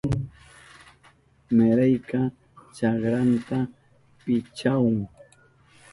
Meryka chakranta pichahun.